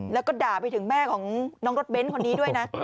แล้วก็ด่าไปถึงแม่ของน้องรถเบ้นคนนี้ด้วยนะ